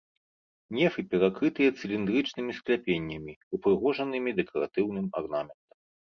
Нефы перакрытыя цыліндрычнымі скляпеннямі, упрыгожанымі дэкаратыўным арнаментам.